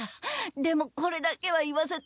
でもこれだけは言わせて。